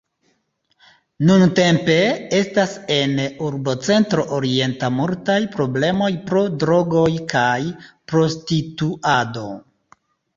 Nuntempe estas en Urbocentro Orienta multaj problemoj pro drogoj kaj prostituado.